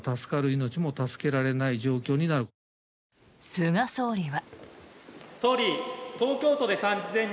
菅総理は。